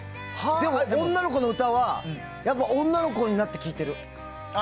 でも女の子の歌は女の子になって聴いてる。